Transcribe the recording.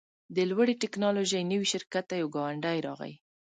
د لوړې ټیکنالوژۍ نوي شرکت ته یو ګاونډی راغی